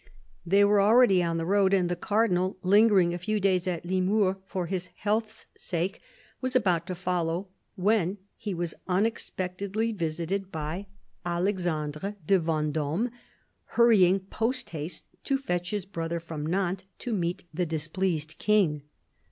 They were already on the road, and the Cardinal, lingering a few days at Limours for his health's sake, was about to follow, when he was unexpectedly visited by Alexandre de THE CARDINAL 171 Venddme, hurrying post haste to fetch his brother from Nantes to meet the displeased King.